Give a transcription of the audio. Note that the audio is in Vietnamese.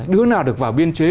đứa nào được vào biên chế